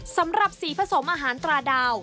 สำหรับสีผสมอาหารตราดาว